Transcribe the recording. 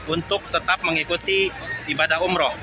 untuk tetap mengikuti ibadah umroh